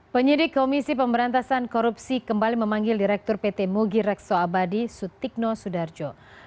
penyidik komisi pemberantasan korupsi kembali memanggil direktur pt mugi rekso abadi sutikno sudarjo